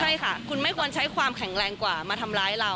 ใช่ค่ะคุณไม่ควรใช้ความแข็งแรงกว่ามาทำร้ายเรา